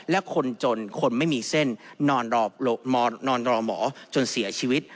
และคนจนคนไม่มีเส้นนอนรอหมอจนเสียชีวิต